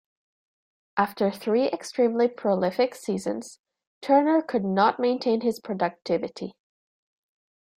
After three extremely prolific seasons, Turner could not maintain his productivity.